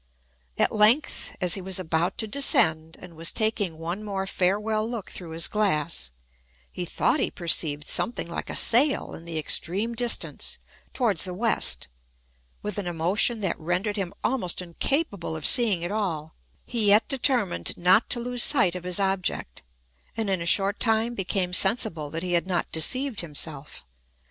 At length (as he was about to descend, and was taking one more farewell look through his glass), he thought he perceived something like a sail in the extreme distance, towards the west, with an emotion that rendered him almost incapable of seeing at all; he yet determined not to lose sight of his object, and in a short time became sensible that he had not deceived himself.